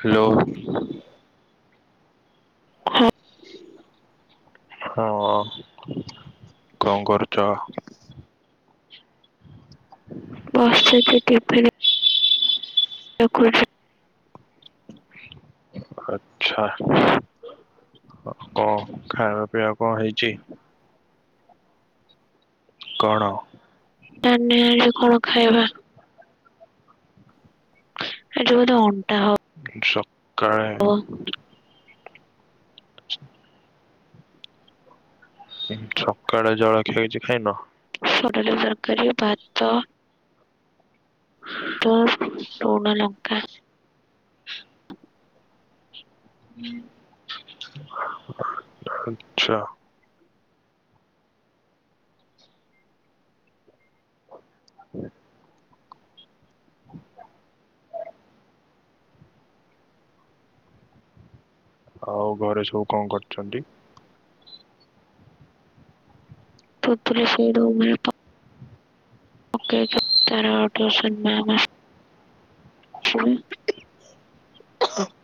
Hello. ହଁ ହଁ କଣ କରୁଛ? ହ ବସଛି ଟି ଭି ଦେ [unintelligible] ଆଚ୍ଛା। କଣ ଖାଇବା ପିଇବା କଣ ହେଇଛି? କଣ? ନା ନାଆ ଆଜି କଣ ଖାଇବା? ଆଜି ବୋଧେ ଅଣ୍ଟା ସକାଳେ [unintelligible] ସି ସକାଳେ ଜଳଖିଆ କିଛି ଖାଇନ? ପାତ। ତ ପୂର୍ଣଲଙ୍କା। ଆଚ୍ଛା। ହଁ [unintelligible] ଆଉ ଘରେ ସବୁ କଣ କରୁଛନ୍ତି? ତୁତରେ ସେଇ ରୁମରେ ପ [unintelligible] ନାନା। [unintelligible]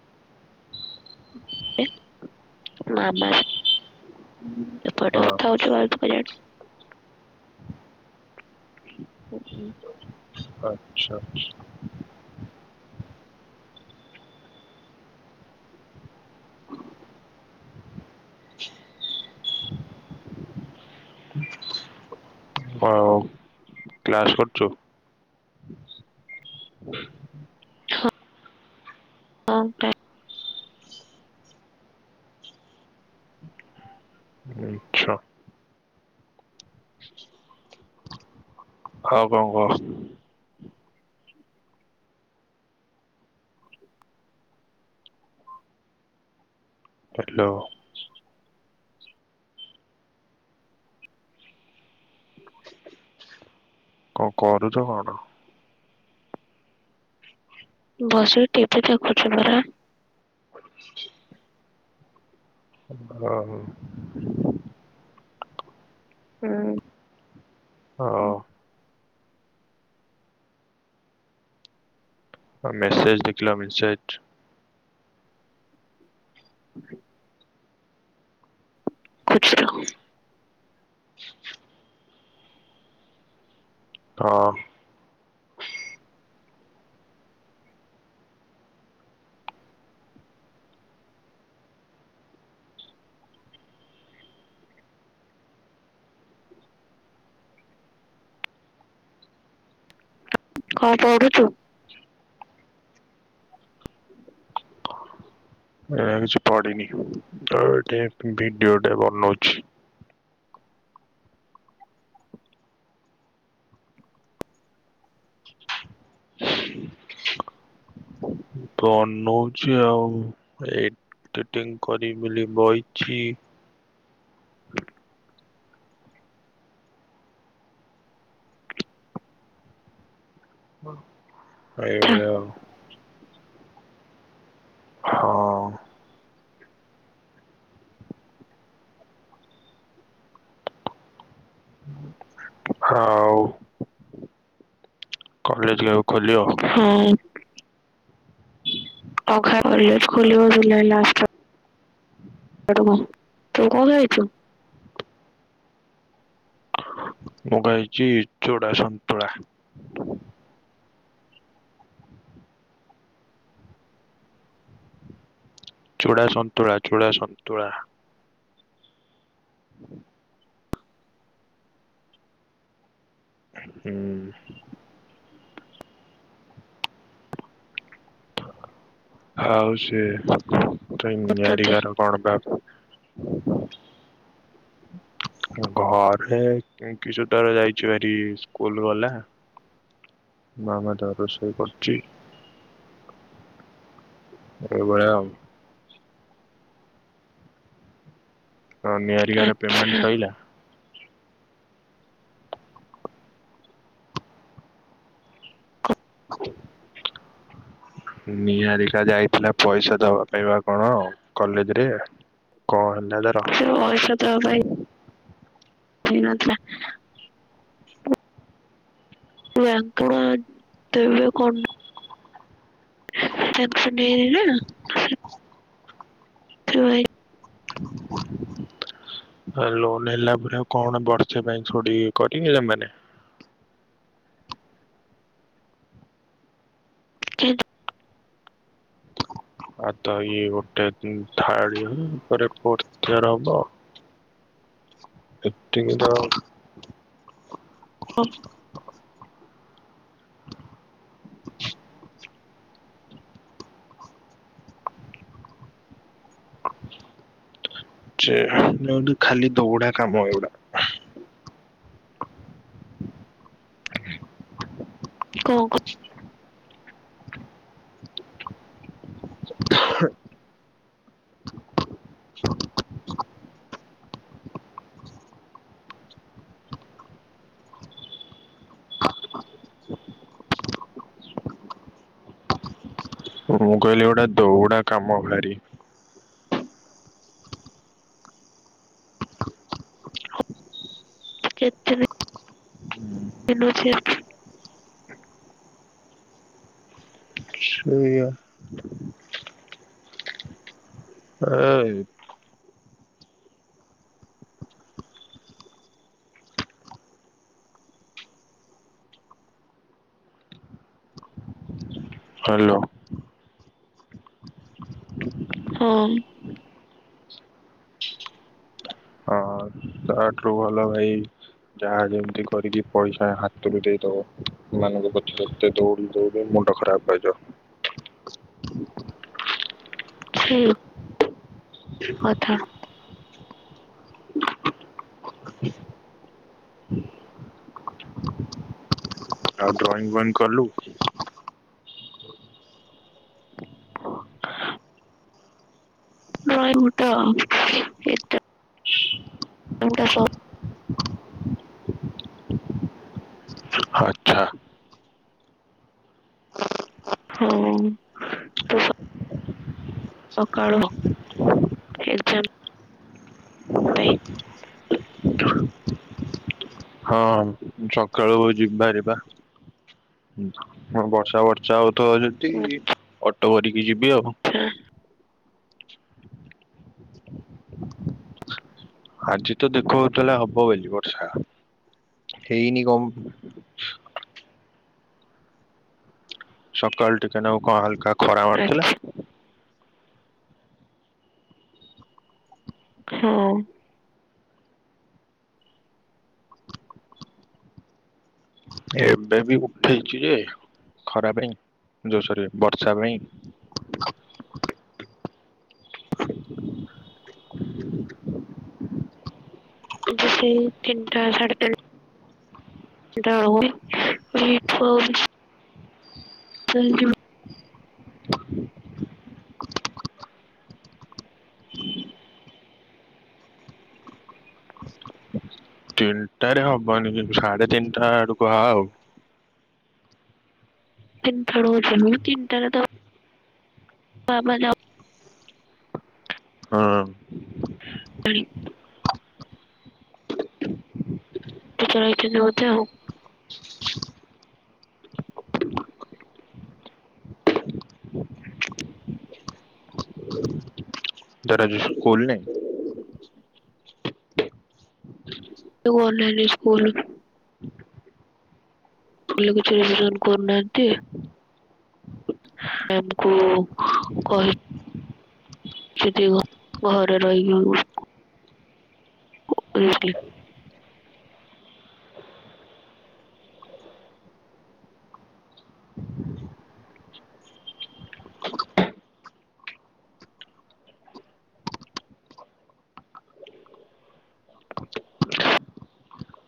[unintelligible] ମାମା। ହଁ [unintelligible] ହୁଁ। [unintelligible] କ୍ଲାସ୍ କରୁଛୁ? ହଁ କ୍ଲା ଆଚ୍ଛା ହଉ କଣ କହ? କାଟିଲୁ। କଣ କରୁଛ କଣ? ବସିକି ଟି ଭି ଦେଖୁଛ ପରା। ହୁଁ ହୁଁ। ହଁ ମେସେଜ୍ ଦେଖିଲ ମେସେଜ୍। ଖୁଚୁର ହଁ କଣ ପଢୁଛୁ। ଏରା କିଛି ପଢିନି। ଆଉ ଏଠି ଭିଡିଓ ଟା ବନୋଉଚି। ଫୋନ୍ ନଉଛି ଆଉ। ଏଇ ଟିଟିଂ କରି ବୋଲି ବଇଚି। ଏଇ ଭଳିଆ ଆଉ। ହଁ ଆଉ କଲେଜ କେବେ ଖୋଲିବ? ହଁ [unintelligible] କଲେଜ ଖୋଲିବ ଜୁଲାଇ ଲାଷ୍ଟ ରେ [unintelligible] ତୁ କଣ ଖାଇଛୁ? ମୁଁ ଖାଇଛି ଚୁଡା ସନ୍ତୁଳା। ଚୁଡା ସନ୍ତୁଳା ଚୁଡା ସନ୍ତୁଳା। ହୁଁ। ଆଉ ସେ ତ ପଚାରିଦେ ନିହାରିକାର କଣ ବା ଘରେ କି କି କିଶୁ ତାର ଯାଇଛି ଭାରି ସ୍କୁଲ ଗଲା। ମାମା ତାର ରୋଷେଇ କରୁଛି। ଏଇ ଭଳିଆ ଆଉ। ହ ନିହାରିକା ର ପେମେଣ୍ଟ ଆଚ୍ଛା ସଇଲା। ନିହାରିକା ଯାଇଥିଲା ପଇସା ଦବା ପାଇବା କଣ କଲେଜରେ। କଣ ହେଲା ତାର? ସେ ପଇସା ଦବା ପାଇଁ [unintelligible] ନଥିଲା। ୟାଙ୍କୁଆନ ଦବ୍ୟ କଣ୍ଡ [unintelligible] [unintelligible] ଲୋନ ହେଲା ପରେ ଆଉ କଣ ବର୍ଷା ପାଇଁ ଛୋଡି କରିବେ ଏମାନେ? କେ ଆଉ ତ ଇଏ ଗୋଟେ ଥାଳି [unintelligible] ହବ? ଏତିଙ୍ଗ। ହଁ। [unintelligible] ଖାଲି ଦୌଡା କାମ ଏଇଗୁଡା। କୋଉ କ ମୁଁ କହିଲି ଏଇଗୁଡା ଦୋଉଡା କାମ ଭାରି। [unintelligible] ଯେତେ ବି [unintelligible] ସେଇଆ ଏଇ ହ୍ୟାଲୋ ହଁ। ହଁ ତାଠୁ ରୁ ଭଲ ଭାଇ ଯାହା ଯେମିତି କରିକି ପଇସା ହାତରୁ ଦେଇ ଦବ। ସେମାନଙ୍କ ପଛରେ ତତେ ଦୌଡି ଦୌଡି ମୁଣ୍ଡ ଖରାପ ହେଇଯିବ। ଛି। କଥା। ଆଉ ଡ୍ରଇଂ ବଇଂ କଲୁ? ଗୟ ମୋଟା ଏଟା [unintelligible] ଆଚ୍ଛା ହୋଉ ତ ସ ସକାଳୁ ଏଗଜାମ୍ ଦେ। ହଁ ସକାଳୁ ଯିବି ଭାରି ପା। ହ ବର୍ଷା ବର୍ଷା ହଉ [unintelligible] ଅଟୋ କରିକି ଯିବି ଆଉ। ଚ୍ଛା। ଆଜି ତ ଦେଖୋଉଥିଲା ହବ ବୋଲି ବର୍ଷା। ହେଇନି କମ ସକାଳୁ ଟିକେ ନଉ କଣ ହାଲ୍କା ଖରା ମାରିଥିଲା। ଆଚ୍ଛା ହଁ। ଏବେ ବି ଉଠେଇଚି ଯେ ଖରା ପାଇଁ ଯୋଉସୋରେ ବର୍ଷା ପାଇଁ ଆଜି ସେ ତିନଟା ସାଢ଼େ ତିନ [inaudible] [inaudible] ଆରେ ହବନି କିନ୍ତୁ ସାଢେ ତିନିଟା ଆଡକୁ ଆ ଆଉ। ଚି [inaudible] ତିନିଟାରେତ ବାବା ଯାଉ ହଁ [unintelligible] ଦେଖିଆ ଏଇଠି ରହୁଚି ଆଉ। ତାର ଆଜି ସ୍କଲ ନାଇଁ? Two online school. କିଛି [inaudible] କରୁନାହାନ୍ତି ଆମକୁ କହି ଯଦି ଗ ଘରେ ରହିକି [inaudible] [inaudible]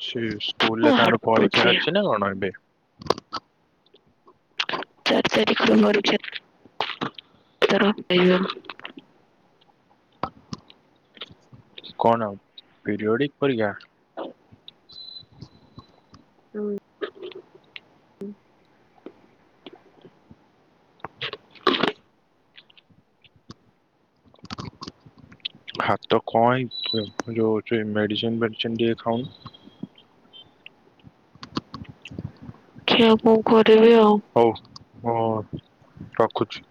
ସେ ସ୍କୁଲରେ ତାର ପରୀକ୍ଷା ହାଟୁଛି ଅଛି ନା କଣ ଏବେ? ଚାରି ତାରିଖରେ ପରୀକ୍ଷା। ତରଫ [inaudible] କଣ ଆଉ ପିରିୟଡିକ ପରୀକ୍ଷା? ହୁଁ। [inaudible] ହାତ କଣ ହେଇଚି ଜଉ ହଉଚି ମେଡ଼ିସିନ ଫେଡ଼ିସିନ ଟିକେ ଖାଉନୁ? ଖି ଆଉ କଣ କରିବି ଆଉ। ରଖୁଚି।